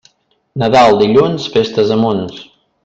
Nadal dilluns, festes a munts.